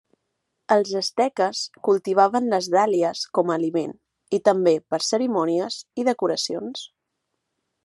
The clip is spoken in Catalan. Els asteques cultivaven les dàlies com a aliment i també per cerimònies i decoracions.